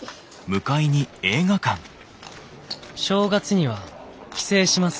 「正月には帰省します。